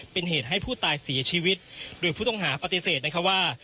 เป็นเหตุให้ผู้ตายเสียชีวิตโดยผู้ต้องหาปฏิเสธนะคะว่า